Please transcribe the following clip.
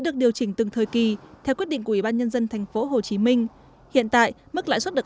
được điều chỉnh từng thời kỳ theo quyết định của ủy ban nhân dân tp hcm hiện tại mức lãi suất được